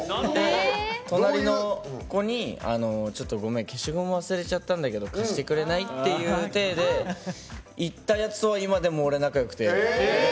隣の子にちょっとごめん消しゴム忘れちゃったんだけど貸してくれない？っていうていで言ったやつが今でも、仲よくて。